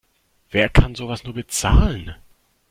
Wer kann sowas nur bezahlen?